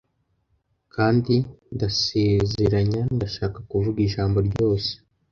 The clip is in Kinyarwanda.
Kandi ndasezeranya ndashaka kuvuga ijambo ryose